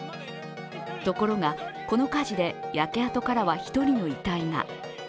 ところが、この火事で焼け跡からは１人の遺体が。